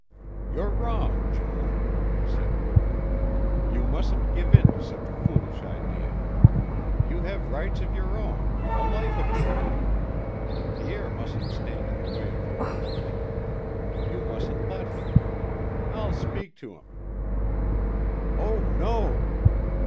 "You're wrong, Joan," he said quickly. "You mustn't give in to such a foolish idea. You have rights of your own, a life of your own. Pierre mustn't stand in the way of your learning. You mustn't let him. I'll speak to him." "Oh, no!"